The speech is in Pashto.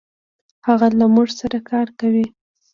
هغه له مونږ سره کار کوي.